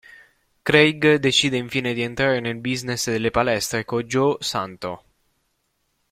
Craig decide infine di entrare nel business delle palestre con Joe Santo.